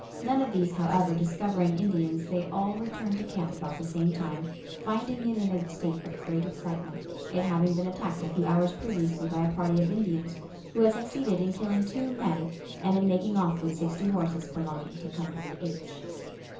None of these, however, discovering Indians, they all returned to camp about the same time, finding it in a state of great excitement, it having been attacked a few hours previously by a party of Indians, who had succeeded in killing two men and in making off with sixty horses belonging to Company H.